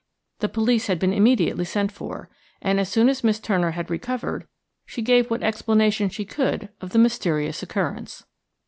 The police had been immediately sent for, and as soon as Miss Turner had recovered she gave what explanation she could of the mysterious occurrence.